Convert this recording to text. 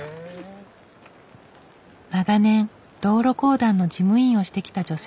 長年道路公団の事務員をしてきた女性。